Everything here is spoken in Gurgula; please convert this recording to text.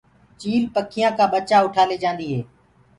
چيِل پکيآ ڪآ ٻچآ اُٺآ ليجآندي هي۔